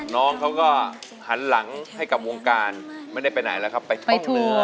น้องเขาก็หันหลังให้กับวงการไม่ได้ไปไหนแล้วครับไปตกเรือ